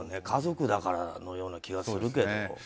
家族だからのような気がするけどね。